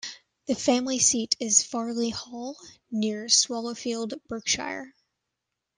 The family seat is Farley Hall, near Swallowfield, Berkshire.